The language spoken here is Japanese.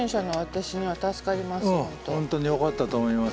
本当によかったと思います。